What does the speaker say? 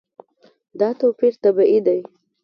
دا توپیر طبیعي دی.